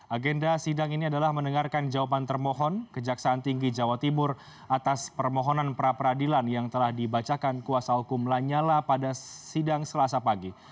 agenda sidang ini adalah mendengarkan jawaban termohon kejaksaan tinggi jawa timur atas permohonan pra peradilan yang telah dibacakan kuasa hukum lanyala pada sidang selasa pagi